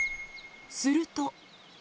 すると。